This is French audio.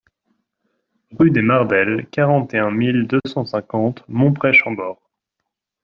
Rue des Mardelles, quarante et un mille deux cent cinquante Mont-près-Chambord